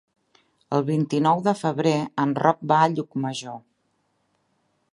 El vint-i-nou de febrer en Roc va a Llucmajor.